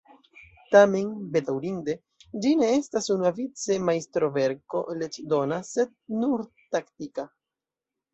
Tamen, bedaŭrinde, ĝi ne estas unuavice majstroverko leĝdona sed nur taktika.